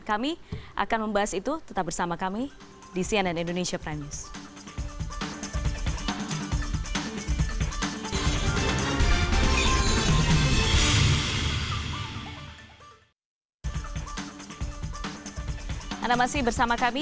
kami akan membahas itu tetap bersama kami